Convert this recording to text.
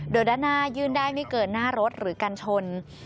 โดยด้านหน้ายื่นได้ไม่เกินหน้ารถหรือกันชน